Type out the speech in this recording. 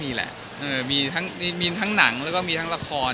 มีน่าจะมีแหละมีทั้งหนังแล้วก็มีทั้งละคร